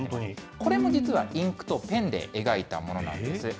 これも実は、インクとペンで描いたものなんです。